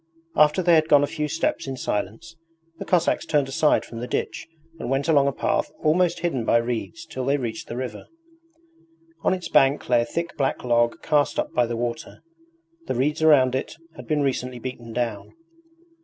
After they had gone a few steps in silence the Cossacks turned aside from the ditch and went along a path almost hidden by reeds till they reached the river. On its bank lay a thick black log cast up by the water. The reeds around it had been recently beaten down.